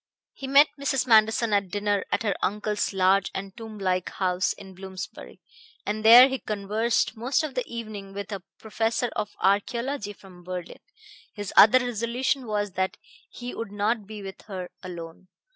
He met Mrs. Manderson at dinner at her uncle's large and tomb like house in Bloomsbury, and there he conversed most of the evening with a professor of archaeology from Berlin. His other resolution was that he would not be with her alone.